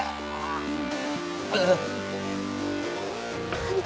何で？